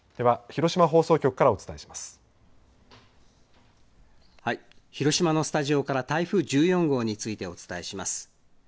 広島のスタジオから台風１４号についてお伝えします。